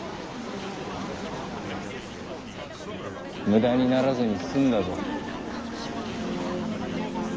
無駄にならずに済んだぞ。